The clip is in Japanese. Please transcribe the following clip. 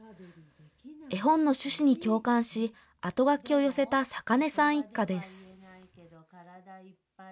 絵本の趣旨に共感し、あとがきを寄せた坂根さん一家です。